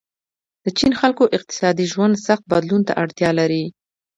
د چین خلکو اقتصادي ژوند سخت بدلون ته اړتیا لرله.